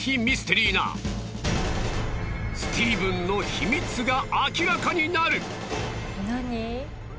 ミステリーなスティーブンの秘密が明らかになる。